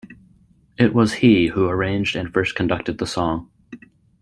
It was he who arranged and first conducted the song.